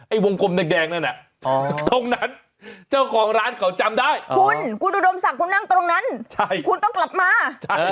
วงกลมแดงนั่นน่ะตรงนั้นเจ้าของร้านเขาจำได้คุณคุณอุดมศักดิ์คุณนั่งตรงนั้นคุณต้องกลับมา